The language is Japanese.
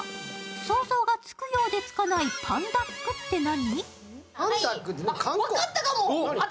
想像がつくようでつかないぱんだっくって何？